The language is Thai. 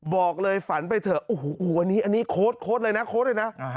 บอกเลยฝันไปเถอะโอ้โฮอันนี้โค้ดเลยนะ